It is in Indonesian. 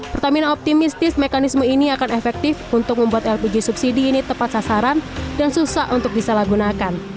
pertamina optimistis mekanisme ini akan efektif untuk membuat lpg subsidi ini tepat sasaran dan susah untuk disalahgunakan